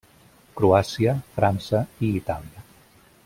Croàcia, França i Itàlia.